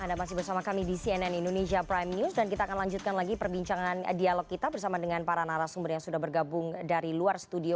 anda masih bersama kami di cnn indonesia prime news dan kita akan lanjutkan lagi perbincangan dialog kita bersama dengan para narasumber yang sudah bergabung dari luar studio